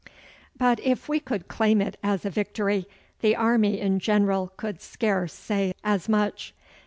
But if we could claim it as a victory, the army in general could scarce say as much.